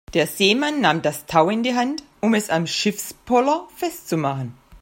Der Seemann nahm das Tau in die Hand, um es am Schiffspoller festzumachen.